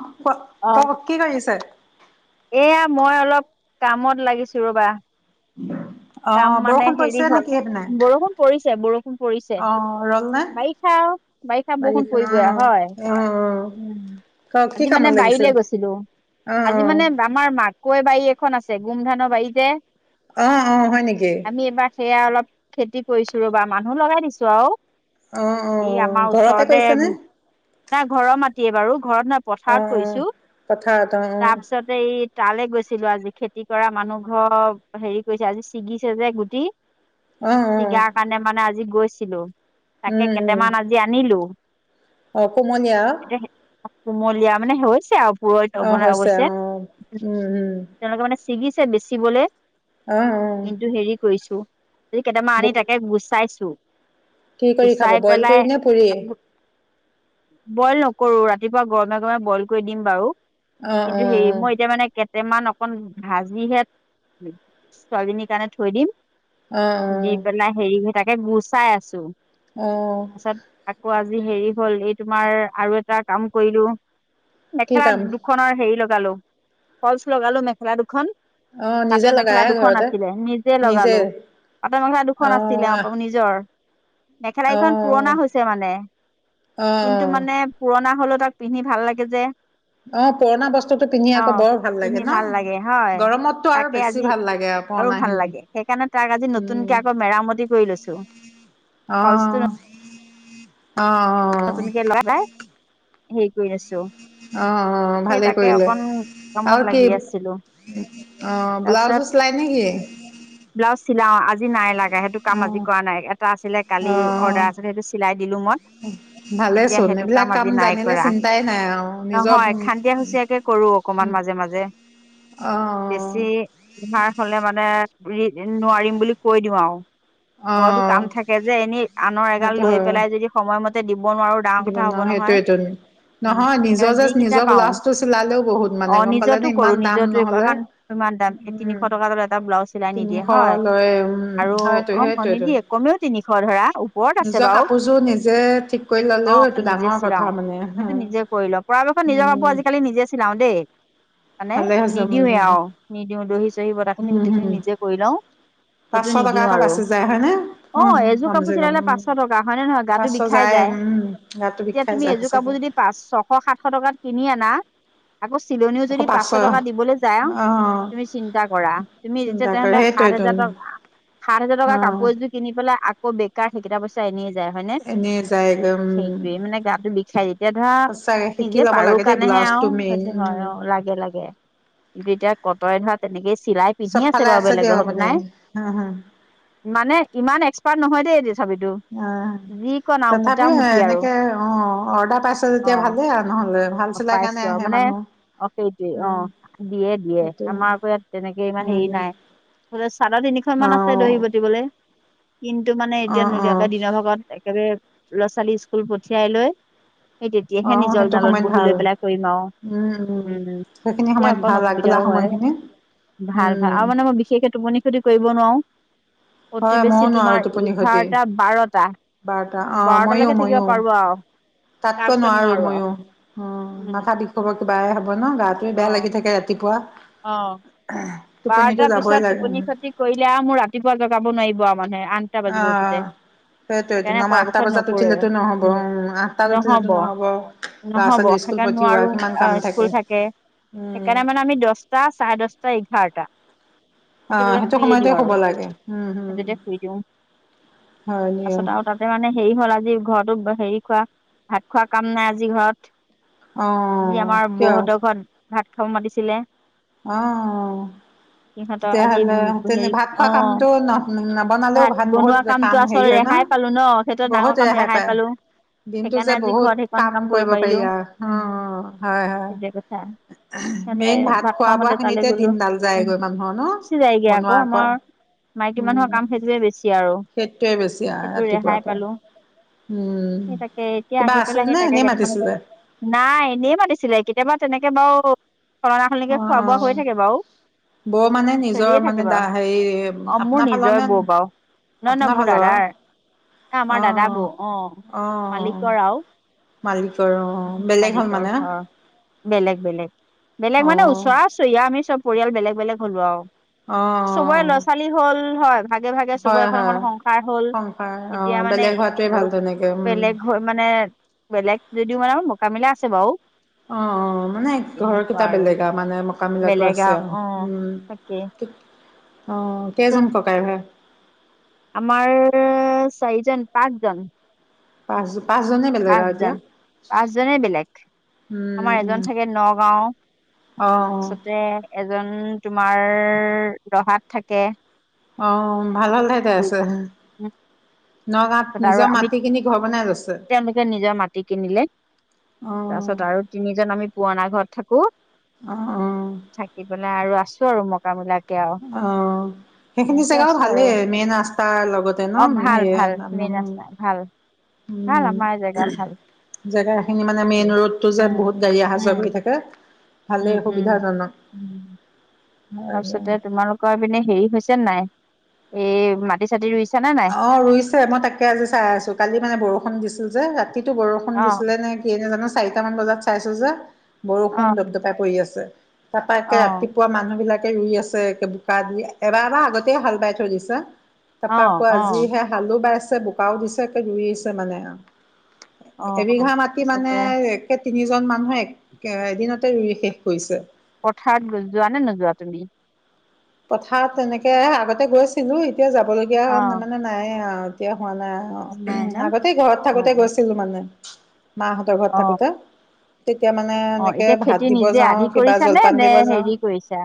অ ক'ত, ত' কি কৰি আছে? এইয়া মই অলপ কামত লাগিছোঁ ৰ'বা। কাম অ' মানে বৰষুণ হেৰি পৰিছে হ'ল। নেকি সেইপিনে? বৰষুণ পৰিছে বৰ পৰিছে। অ' ৰ'ল নে? বাৰিষা আৱ বাৰিষা বৰষুণ পৰিবই অ' হয়। অ' অ' উম। কওক কি আজি কামত মানে লাগিছিল? বাৰিলে গৈছিলোঁ। অ, অ। আমাৰ মাকৈ বাৰী এখন আছে। গোমধান বাৰী যে। অ, অ। হয় নেকি? আমি এইবাৰ সেয়া অলপ খেতি কৰিছোঁ ৰ'বা। মানুহ লগাই দিছোঁ আও। অ' এই অ' আমাৰ ঘৰতে ওচৰতে, কৰিছেনে? তা ঘৰ মাতিয়ে বাৰু। ঘৰত ন পথাৰত অ' অ' কৰিছোঁ। পথাৰত অ' অ' তাৰপিছত যে এই তালে গৈছিলোঁ আজি। খেতি কৰা মানুহ ঘ হেৰি কৰিছে আজি। ছিগিছে যে গুটি, অ' অ' ছিগাৰ কাৰণে মানে আজি গৈছিলোঁ। উম তাকে কেইটামান আজি আনিলোঁ। অঁ কুমলীয়া? কুমলীয়া মানে হৈছে আৱ পুৰৈত অ' অৱন হৈছে অৱশ্যে। অ' উম উম তেওঁলোকে মানে ছিগিছে বেচিবলে? অ অ। কিন্তু হেৰি কৰিছোঁ। যদি কেইটামান আনি তাকে গুচাইছোঁ। কি কৰি খাব গুচাই বইল কৰি পেলাই নে পুৰি? বইল নকৰোঁ। ৰাতিপুৱা গৰমে গৰমে বইল কৰি দিম বাৰু। অ' কিন্তু হেৰি অ' মই এতিয়া মানে কে তে মান অকণ ভাজিহে ছোৱালীজনীৰ কাৰণে থৈ দিম। দি অ' পেলাই হেৰি হৈ থাকে। গুচাই আছোঁ। অঁ। পাছত আকৌ আজি হেৰি হ'ল। এই তোমাৰ আৰু এটা কাম কৰিলোঁ। কি মেখেলা কাম? দুখনৰ হেৰি লগালোঁ, ফলচ লগালোঁ মেখেলা দুখন। অ, নিজে পাটৰ মেখেলা লগাই দুখন ঘৰতে? আছিলে নিজে লগালোঁ। পাটৰ মেখেলা দুখন অ আছিলে, আহ অ নিজৰ। মেখেলা অ কিখন পুৰণা হৈছে মানে। অ কিন্তু মানে পুৰণা হ'লও তাক পিন্ধি ভাল লাগে যে। অ, পুৰণা বস্তুটো পিন্ধি অ আকৌ বৰ ভাল লাগে পিন্ধি ন? লাগে হয় গৰমটো আৰু তাকে আজি বেছি ভাল লাগে। আৰু পুৰণা ভাল খিনি লাগে। সেকাণে তাক আজি উম নতুনকে আকৌ মেৰামতি কৰি লৈছোঁ। অ ফলচটো অ [unintelligible] হেই কৰি আছো। অ অ অ, ভালেই কৰিলে। কামত আৰু কি লাগি আছিলো অ, তাৰপিছত ব্লাউজো চিলাই নেকি? ব্লাউজ চিলাও। আজি নাই লাগা সেইটো কাম অ আজি কৰা নাই। এটা আছিলে কালি অ অৰ্ডাৰ আছিলে। সেইটো চিলাই দিলো মই। ভালেই এতিয়া চোন সেইটো কাম এইবিলাক আজি নাই জানিলে কৰা, চিন্তাই নাই আৰু নিজৰ নহয় উম খান্দিয়া হুচিয়াকে কৰোঁ। অকণমান মাজে, মাজে। বেছি অ'। [unintelligible] হ'লে মানে নোৱাৰিম বুলি কৈ দিওঁ আৰু। অ ঘৰতো কাম থাকে যে এনে আনৰ এগাল সেইটো লৈ হয় পেলাই যদি সময়মতে দিব নোৱাৰোঁ। ডাঙৰ দিব কথা ন হ'ব নহয়। সেইটোৱেইটো উম, নহয় সেইকাৰণে নিজৰ যে যিকেইটা নিজৰ পাও ব্লাউজটো চিলালেও বহুত মানে অ', গম পালে নিজৰতো নে কৰো ইমান দাম নিজটো নহ'লে অকণমান। ইমান দাম তিনিশ উম টকাত এটা ব্লাউজ চিলাই নিদিয়ে তিনিশ হয় লয় উম আৰু হয়তো অ', সেইটোৱেইটো নিদিয়ে কমেও তিনিশ ধৰা ওপৰত আছে নিজৰ বাৰু। কাপোৰযোৰ নিজে ঠিক কৰি ল'লেও অ', সেইটো নিজে ডাঙৰ কথা চিলাও মানে সিহঁতে নিজে কৰি লয় পৰাপক্ষত নিজৰ উম কাপোৰ আজিকালি নিজে চিলাওঁ দেই। মানে ভালে হৈছে উম নিদিওৱে আৰু নিদিওঁ দহি চহি বতাহখিনি উম হম গোটেইখিনি নিজে কৰি লওঁ। সেইটো পাঁচশ টকা নিদিওঁ এটা আৰু বাচি যায় হয়নে অ', উম এযোৰ কমচে কাপোৰ কম চিলালে উম পাঁচশ টকা হয় নে নহয় গাটো পাঁচশ বি বিষাই যায়। উম গাটো এতিয়া বিষাই তুমি যায় এযোৰ সঁচাকে কাপোৰ যদি পাঁচ, ছশ, সাতশ টকাত কিনি আনা। আকৌ চিলনীওঁ যদি পাঁচশ টকা দিবলৈ যায়। অ তুমি চিন্তা কৰা তুমি যেতিয়া চিন্তা কৰে তেনেহ'লে সাত সেইটোৱেইটো হাজাৰ টকা, সাত হাজাৰ টকা অ কাপোৰ এযোৰ কিনি পেলাই আকৌ বেকাৰ সেইকেইটা পইচা এনেয়ে যায় হয়নে। এনে যায়গৈ উম সেইটোৱে মানে গাটো বিষাই এতিয়া ধৰা সঁচাকে শিকি নিজে ল'ব পাৰো লাগে দেই কাৰণেহে আৰু। ব্লাউজটো মেইন সেইটো হয়, উম অ', লাগে, লাগে কিন্তু এতিয়া কটৰে ধৰা তেনেকেই চিলাই পিন্ধি আছে চবফালে বাৰু দিয়ক বেলেগৰ মানে হতোৱাই। হা হা মানে ইমান এক্সপাৰ্ট নহয় দেই তথাপিতো। অ', যি কণ আৰু তথাপি মোটামুটি আৰু এনেকে অ', অৰ্ডাৰ পাইছ যেতিয়া ভালেই আৰু নহ'লে। ভাল অ', চিলাই কাৰণে পাইছো আও আহে মানে মানুহ অ', সেইটোৱে উম অ', দিয়ে, দিয়ে সেইটোৱে আমাৰ পৰা ইয়াত তেনেকে ইমান হেৰি উম নাই। চাদৰ তিনিখন অ মান আছে দহি বতিবলৈ। কিন্তু মানে অ এতিয়া অ নোলীয়াকে দিনৰ ভাগত একেবাৰে ল'ৰা ছোৱালীক স্কুল পঠিয়াই লৈ। সেই অ তেতিয়াহে নিজন সেইটো জালত সময়ত বহি ভাল লৈ পেলাই কৰিম আৰু উম, উম সেইখিনি এয়া সময়ত অকণ ভাল আগবেলা অসুবিধাও হয়। সময়খিনি ভাল, ভাল উম আৰু মানে মই বিশেষকে টোপনি ক্ষতি কৰিব নোৱাৰোঁ। অতি হয় বেছি ময়ো নোৱাৰো তোমাৰ টোপনি খতি এঘাৰটা, বাৰটা। বাৰটা অ ময়ো বাৰটালৈকে থাকিব ময়ো পাৰোঁ আৰু। তাতকৈ তাৰপিছত নোৱাৰোঁ নোৱাৰো আৰু মইও। অ', উম মাথা বিষাব কিবাই হ'ব ন গাটোৱে অ বেয়া লাগি থাকে ৰাতিপুৱা। অ'। [unintelligible] বাৰটাৰ যাবই পিছত লাগে টোপনি ক্ষতি কৰিলে আৰু মোৰ ৰাতিপুৱা জগাব নোৱাৰিব মানে মানুহে আঠটা বাজিব উঠোতে। সেইটোৱেইটো সেইকাৰণে ন আঠটা পৰাপক্ষত বজাত নকৰে উঠিলেতো নহব উম, আঠটাত উঠিলেতো নহব। ল'ৰা নহ'ব ছোৱালী স্কুল সেইকাৰণে পঠিওৱা নোৱাৰো কিমান কাম অ', স্কুল থাকে উম সেইকাৰণে মানে আমি দহ দহটা, চাৰে দহটা, এঘাৰটা। অ', বজাত সেইটো শুইয়ে সময়তে দিওঁ আৰু শুব লাগে উম, সেই উম। তেতিয়া শুই দিওঁ হয় দিয়া। তাৰপাছত আৰু তাতে মানে হেৰি হ'ল আজি ঘৰতো হেৰি খোৱা ভাত খোৱা কাম নাই আজি ঘৰত। অ যি আমাৰ কিয় বৌহতৰ ঘৰত ভাত খাব মাতিছিলে। অ'। সিহঁতৰ আজি তেতিয়াহ'লে তেনে হেৰি ভাত খোৱা অ কামটো ন নবনালেও ভাত বনোৱা বহুত কামটো কাম আচল হেৰি হয় ন। ৰেহাই পালো ন সেইটো ডাঙৰ কাম ৰেহাই পালো। দিনতটো সেইকাৰণে যে আজি বহুত ঘৰত সেইকণ কাম কৰিব পাৰি, পাৰিলো আৰু অ, উম হয়। সেইটোৱে কথা হয়। সিহঁতে মেইন ভাত খোৱা খাওঁ বোৱা মতে তালৈ খিনিতে গলো দিন ডাল উম যায়গৈ মানুহৰ ন গুচি যায়গে আকৌ বনোৱা কৰোৱা আমাৰ মাইকী মানুহৰ উম', কাম সেইটোৱে বেছি আৰু সেইটোৱে বেছি আৰু সেইটো ৰেহাই ৰাতিপুৱাৰ পৰা পালো উম', সেই তাকে এতিয়া কিবা আহি আছিল পেলাই সেই নে তাকে এনে কেইটামান মাতিছিলে? নাই। এনেই মাতিছিলে। কেতিয়াবা তেনেকে বাৰু খলনা অ খলনিকে খোৱা অ বোৱা হৈ থাকে বাৰু বৌ মানে নিজৰ চলিয়ে মানে থাকিবা দা হেৰি বাৰু অ মোৰ আপোনাৰ ফালৰ নিজৰ নে বৌ বাও নহ নহ আপোনাৰ মোৰ ফালৰ দাদাৰ ন আমাৰ অ দাদা বৌ অ, অ মালিকৰ আৰুও মালিকৰ অ, বেলেগ হ'ল মানে ঘৰ বেলেগ, বেলেগ, বেলেগ অ মানে ওচৰৰা চৰিয়া আমি চব পৰিয়াল বেলেগ বেলেগ হলো আৰু অ চবৰে ল'ৰা ছোৱালী হল হয়। ভাগে ভাগে চবৰে হয় এখন এখন হয় সংসাৰ হল। সংসাৰ অ এতিয়া মানে বেলেগ হোৱাটোৱে ভাল তেনেকে উম বেলেগ হৈ মানে বেলেগ যদিও মানে মোকামিলা আছে, বাৰু অ', অ, মানে ঘৰ কেইটা বেলেগ আৰু মানে ককা মিলাটো বেলেগ আছে। আৰু অ, তাকে অ, চব কেইজনাম ককাই ভাই? আমাৰ চাৰিজন পাঁচজন পাঁচ পাঁচজনে বেলেগ আও এতিয়া পাঁচজন পাঁচজনে বেলেগ আমাৰ উম এজন থাকে নগাঁও। অ', অ, তাৰপিছতে এজন তোমাৰ ৰহাত থাকে। আহ, ভাল ভাল ঠাইতে আছে। তাৰপিছত নগাঁৱত নিজৰ মাটি কিনি ঘৰ বনাই লৈছে। হেনেকে নিজৰ মাটি কিনিলে অ তাৰ পিছত আৰু তিনিজন আমি পুৰণা ঘৰত থাকো। অ', অ, থাকিপেলাই আৰু আছো আৰু মই মুকামিলা কে আৰু অ', সেইখিনি এনেকে জেগাও আছো আৰু ভালেই মেইন ৰাস্তাৰ লগতে তে অ ন ভাল সেই ভাল মেইন ৰাস্তা ভাল ভাল উম আমাৰ জেগা ভাল জেগা খিনি মানে উম মেইন ৰোডতটো যোত বহুত গাড়ী অহা যোৱা উম কৰি থাকে। উম ভালেই উম সুবিধাজনক উম তাৰপিছতে তোমালোকৰ পিনে হেৰি হৈছে নে নাই? এই মাটি চাটি ৰুইছা নে নাই? অ', ৰুইছে মই তাকে আজি চাই আছো। কালি মানে বৰষুণ দিছিল যে ৰাতিটো বৰষুণ অ দিছিলে নে। [unintelligible] নাজানো চাৰিটামান বজাত চাইছো যে অ বৰষুণ দপদপাই পৰি আছে। তাৰপা অ একে ৰাতিপুৱা মানুহ বিলাকে ৰুই আছে। একে বোকা দি এবাৰ এবাৰ আগতেই হাল বাই থৈ দিছে। অ পাকৌ আজিহে হালো বাইছে বোকাও দিছে। জুৰি আহছে মানে অ এবিঘা মাটিৰ মানে তাৰছতে সেই তিনিজন মানুহে এক এদিনতে ৰুই শেষ কৰিছে। পথাৰত যোৱা নে নোযোৱা তুমি? পথাৰত তেনেকৈ আগতে গৈছিলো। এতিয়া যাবলগীয়া অ মানে নাই আৰু এতিয়া হোৱা নাই। অ', নাই ন আগতে ঘৰত অ থাকোতে গৈছিলো মানে মাহঁতৰ ঘৰত অ অ থাকোতে তেতিয়া মানে অ', এনেকে এতিয়া ভাত খেতি দিব নিজে যাওঁ আধি কিবা কৰিছা নে জলপান নে দিব যাওঁ হেৰি কৰিছা?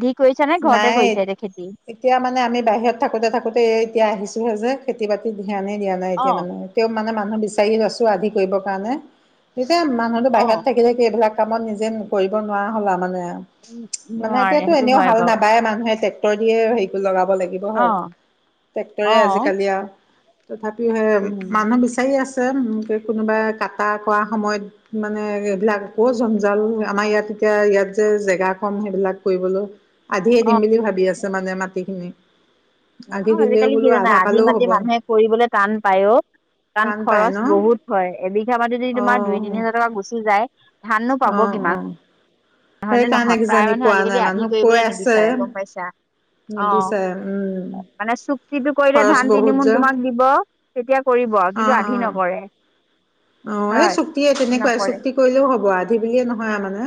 আদি কৰিছা নে? ঘৰতে নাই কৰিছা এতিয়া খেতি এতিয়া মানে আমি বাহিৰত থাকোঁতে। থাকোঁতে। এতিয়া আহিছোঁহে যে খেতি বাতিত ধ্যানেই দিয়া নাই এতিয়া মানে অ তেওঁ মানে মানুহ বিচাৰি আছো আদি কৰিবৰ কাৰণে যেতিয়া মানুহটো অ বাহিৰত থাকিলে কি এইবিলাক কামত নিজে কৰিব নোৱাৰা হ'লা মানে মানে নোৱাৰে এতিয়াতো সেইটো এনেও হয় বাৰু প্ৰায় মানুহে ট্ৰেক্টৰ দিয়ে হেৰি লগাব লাগিব অ হয়, ট্ৰেক্টৰে অ আজিকালি আৰু। তথাপিও সে উম মানুহ বিচাৰি আছে উম কোনোবাই কাটা কোৱা সময়ত মানে এইবিলাক আকৌ জঞ্জাল, আমাৰ ইয়াত এতিয়া ইয়াত যে জেগা কম সেইবিলাক কৰিবলৈ। আধিয়ে অ দিম বুলি ভাবি আছে মানে মাটিখিনি। আধি [unintelligible] দিলেও আজিকালি বোলো কি জানা আধা আধি পালেও মাটি হ'ব মানুহে কৰিবলৈ টান পায় অ। কাৰণ টান পাই খৰচ ন বহুত হয় এবিঘা মাটি যদি অ তোমাৰ দুই তিনি হাজাৰ টকা গুচি যায় ধাননো অ পাব অ কিমান? হয়নে সেইকাৰণে নহয়? প্ৰায় কিজানি মানুহে পোৱা নাই আজিকালি আধি মানুহক কৈ কৰিবলৈ আছে নিবিচাৰে গম পাইছা? নিবিচাৰে উম অ মানে চুক্তিটো কৰিলে খৰচ ধান তিনি বহুত মোন যে তোমাক দিব। তেতিয়া কৰিব অ কিন্তু অ আধি নকৰে। অ এই হয় চুক্তিয়ে তেনেকুৱাই নকৰে চুক্তি কৰিলেও হব আধি বুলিয়ে নহয় মানে।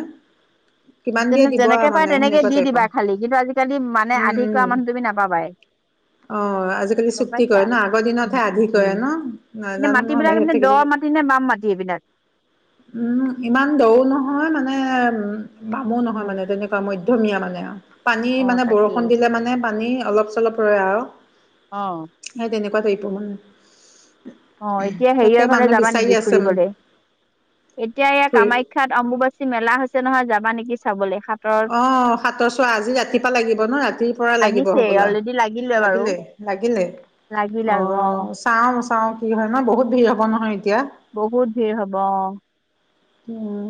কিমান দিয়ে তেনে দিব আৰু যেনেকে পায় মানে তেনেকে সেনেকুৱা দি দিবা টাইপৰ খালি কিন্তু আজিকালি মানে উম আধি কৰা উম মানুহ তুমি নাপাবাই। অ, আজিকালি গম চুক্তি পাইছা কৰে ন আগৰ উম দিনতহে উম আধি কৰে উম ন কিন্তু নেজানো নহয় মাটিবিলাক বাহি এপিনে দ মাটি নে বাম মাটি এইবিলাক? উম ইমান দ'ও নহয় মানে উম বামো নহয় উম মানে তেনেকুৱা মধ্যমীয়া মানে। পানী অ মানে বৰষুণ তাকেই দিলে মানে পানী অলপ - চলপ ৰয় আৰু। অ। সেই তেনেকুৱা টাইপৰ মানে। অ এতিয়া তাকে হেৰিয়ৰ ফালে মানুহ যাবা বিচাৰি নেকি আছে মানে ফুৰিবলৈ? এতিয়া এইয়া ফুৰি কামাখ্যাত অম্বুবাচী মেলা হৈছে নহয় যাবা নেকি চাবলে হা অ, সাতৰ চোৱা আজি ৰাতিপুৱা লাগিব ন ৰাতিৰ পৰা লাগিব লাগিছে হবলা। অলৰেডি বাৰু লাগিলে লাগিলে। লাগিল আৰু অ। চাওঁ চাওঁ কি হয় ন? বহুত ভিৰ হ'ব নহয় এতিয়া। বহুত ভিৰ হব।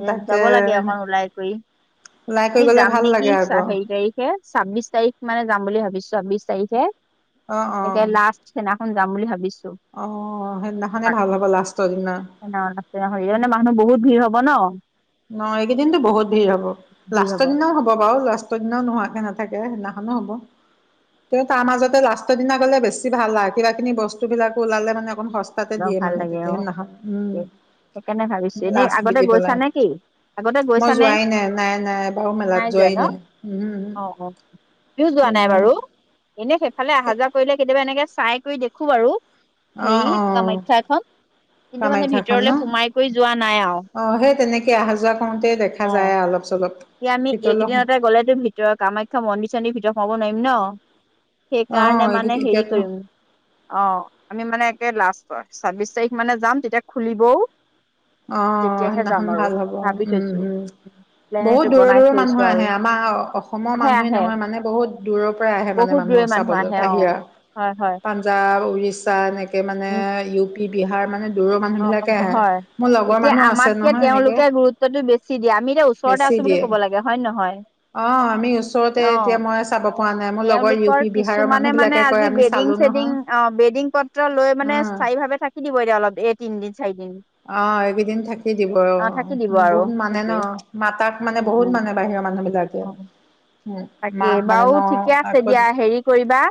উম, যাব লাগে অকন ওলাই কৰি, ওলাই কৰি আমি গলে যাম ভাল নেকি লাগে চা আকৌ হেৰি তাৰিখ? কে ছাব্বিশ তাৰিখ মানে যাম বুলি ভাবিছো ছাব্বিশ তাৰিখে, অ অ একে লাষ্ট [unintelligible] দিনাখন যাম বুলি ভাবিছো। অ সেইদিনাখনে ভাল হব লাষ্টৰ দিনা। [unintelligible] মানে মানুহ বহুত ভিৰ হব ন? অ এইকেইদিনতো বহুত ভিৰ হব, লাষ্টৰ দিনাও হব বাৰু লাষ টৰ দিনাও নোহোৱাকে নাথাকে সেইদিনাখনো হ'ব। তেও তাৰ মাজতে লাষ্টৰ দিনা গ'লে বেছি ভাল আ কিবাকিনি বস্তুবিলাকো ওলালে মানে অকণ সস তাকে বৰ দিয়ে ভাল মানে লাগে তেতিয়া অ সেইদিনাখন সেইকাৰণে ভাবিছো উম এনেই লাষ্ট আগতে বুলি গৈছা পেলাই। নে কি আগতে মই গৈছানে যোৱাই নাই, নাই নাই এবাৰো মেলাত যোৱাই নাই, উহু উহু। আমিও যোৱা নাই বাৰু এনে সেইফালে আহা যোৱা কৰিলে কেতিয়াবা এনেকে চাই কৰি দেখো বাৰু। অ অ। কামাখ্যাখন। কামাখ্যাখন ন, যোৱা নাই আৰু অ সেই তেনেকে আহা - যোৱা কৰোতে দে খা অ যায় আৰু অলপ - চলপ। এতিয়া আমি ভিতৰলৈ এইকেইদিনতে গলেতো ভিতৰত কামাখ্যা মন্দিৰ - চন্দিৰ ভিতৰত সোমাব নোৱাৰিম ন? অ সেইকাৰণে মানে হেৰি এতিয়াতো কৰিম। অঁ' আমি মানে একে লাষ্টৰ ছাব্বিশ তাৰিখ মানে যাম তেতিয়া খুলিবও- অঁ' তেতিয়াহে যাম সেইদিনাখন আৰু ভাল হব, ভাবি উম থৈছো উম' প্লেন বহুত সেইটো দূৰৰ বনাই দূৰৰ থৈছো মানুহ আৰু আহে আমাৰ- অসমৰ আহে মানুহেই আহে নহয় মানে বহুত দূৰৰ পৰা আহে মানে বহুত দূৰৈৰ মানুহ চাবলৈ আহে অ বাহিৰৰ। হয় হয়। পঞ্জাৱ উৰিষ্যা এনেকে মানে উম ইউ পি বিহাৰ মানে দূৰৰ অ অ মানুহবিলাকে আহে। হয় মোৰ লগৰ এতিয়া মানুহ আছে আমাতকে নহয় এনেকে তেওঁলোকে গুৰুত্বটো বেছি দিয়ে আমি এতিয়া ওচৰতে আছো বুলি কব লাগে হয় নে নহয়? অঁ' আমি ওচৰতে অ এতিয়া মই চাব পৰা নাই মোৰ লগৰ ইউ তেওঁলোকৰ পি বিহাৰৰ মানুহ বিলাকে কয় আমি চালো নহয়। অঁ' বেডিং পত্ৰ লৈ মানে অ স্থায়ী ভাৱে থাকি দিব এতিয়া অলপ এ তিনদিন চাৰিদিন। অঁ' এইগেইদিন থাকি দিব অ থাকি দিব অঁ' আৰু বহুত মানে ন সেইটোৱে মাতাক মানে বহুত মানে- বাহিৰৰ মানুহ বিলাকে। উ তাকে মাক মানে বাৰু ন ঠিকে আছে আকৌ দিয়া হেৰি কৰিবা।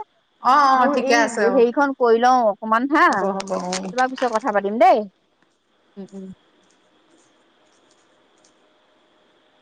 অ অ মোৰ ঠিকে এই আছে অ হেৰিখন কৰি লওঁ অকমান হাঁ হ'ব হ'ব অ তোমাক পিছত কথা- কথা পাতিম দিম দেই, উম উম'।